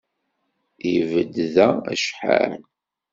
Ibedd da acḥal.